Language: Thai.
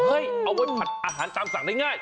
เอาไว้ผัดอาหารตามสั่งได้ง่าย